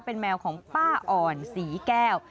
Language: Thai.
เป็นแมวของป้าอ่อนศรีแก้ว